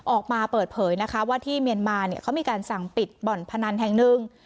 ออกมาเปิดเผยนะคะว่าที่เมียนมาเนี่ยเขามีการสั่งปิดบ่อนพนันแห่งหนึ่ง